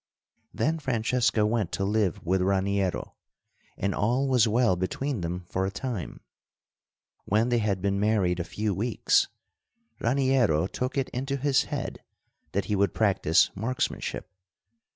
Then Francesca went to live with Raniero, and all was well between them for a time. When they had been married a few weeks, Raniero took it into his head that he would practice marksmanship.